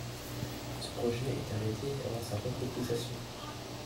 Ce projet est arrêté avant sa concrétisation.